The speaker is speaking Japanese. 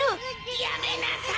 ・やめなさい！